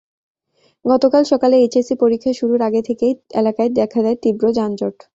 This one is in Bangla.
গতকাল সকালে এইচএসসি পরীক্ষা শুরুর আগে থেকেই এলাকায় দেখা দেয় তীব্র যানজট।